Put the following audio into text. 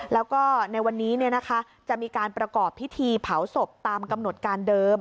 แล้วก็ในวันนี้จะมีการประกอบพิธีเผาศพตามกำหนดการเดิม